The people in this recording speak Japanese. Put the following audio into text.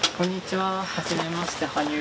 はじめまして。